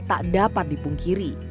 tak dapat dipungkiri